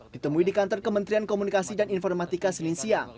ditemui di kantor kementerian komunikasi dan informatika selinsia